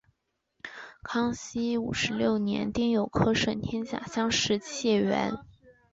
康熙五十六年丁酉科顺天乡试解元。